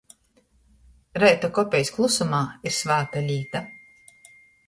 Reita kopejs klusumā ir svāta līta.